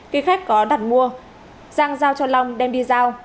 khi khách có đặt mua giang giao cho long đem đi giao